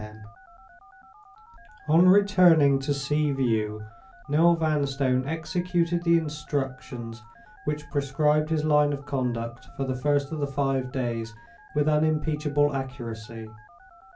On returning to Sea View, Noel Vanstone executed the instructions which prescribed his line of conduct for the first of the five days with unimpeachable accuracy.